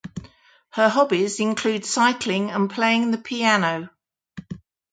Her hobbies include cycling and playing the piano.